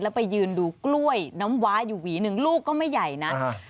ไปยืนดูกล้วยน้ำว้าอยู่หวีหนึ่งลูกก็ไม่ใหญ่นะ